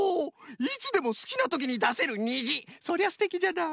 いつでもすきなときにだせるにじそれはすてきじゃな。